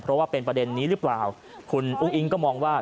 เพราะว่าเป็นประเด็นนี้หรือเปล่าคุณอุ้งอิงก็มองว่า